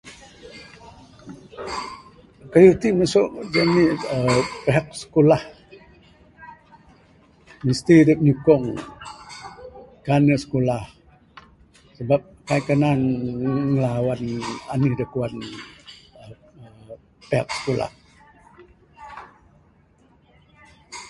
Kayuh ti masu jani aaa pihak skulah mesti dep nyukong. Kan ne skulah sabab kaik kanan ngilawan anih da kuan aaa pihak skulah.